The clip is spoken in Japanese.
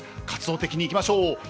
活動的にいきましょう。